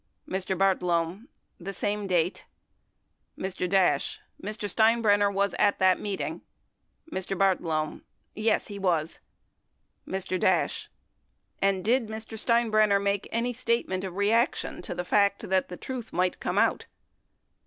Mr. Bartlome. The same date. Mr. Dash. Mr. Steinbrenner was at that meeting? Mr. Bartlome. Yes, he was. Mr. Dash. And did Mr. Steinbrenner make any statement of reaction to the fact that the truth might come out?